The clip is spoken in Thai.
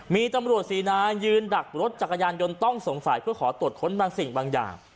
มีตำรวจสี่นายยืนดักรถจักรยานยนต์ต้องสงสัยเพื่อขอตรวจค้นบางสิ่งบางอย่าง